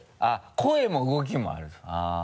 声も動きもあるあぁ。